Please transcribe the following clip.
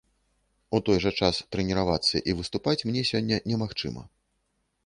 У той жа час трэніравацца і выступаць мне сёння немагчыма.